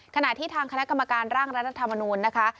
ขณะที่ทางคณะกรรมการร่างรัฐธรรมนูลนะคะ